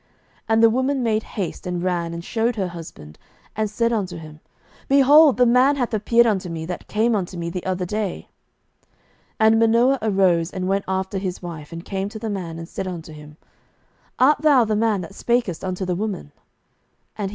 07:013:010 And the woman made haste, and ran, and shewed her husband, and said unto him, Behold, the man hath appeared unto me, that came unto me the other day. 07:013:011 And Manoah arose, and went after his wife, and came to the man, and said unto him, Art thou the man that spakest unto the woman? And he said, I am.